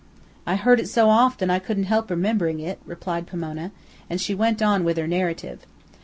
"I heard it so often, I couldn't help remembering it," replied Pomona. And she went on with her narrative.